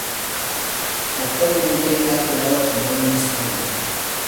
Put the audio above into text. Actualmente ha quedado como un misterio.